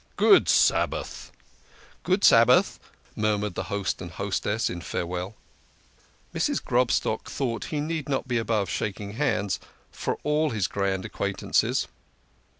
Good Sabbath !"" Good Sabbath," murmured the host and hostess in fare well. Mrs. Grobstock thought he need not be above shak ing hands, for all his grand acquaintances.